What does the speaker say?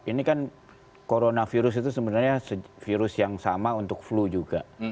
ini kan coronavirus itu sebenarnya virus yang sama untuk flu juga